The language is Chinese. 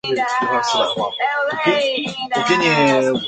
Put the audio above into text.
莱阳农学院。